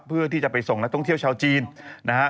เพื่อที่จะไปส่งนักท่องเที่ยวชาวจีนนะฮะ